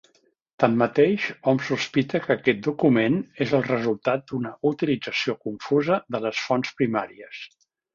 Tanmateix, hom sospita que aquest document és el resultat d'una utilització confusa de les fonts primàries.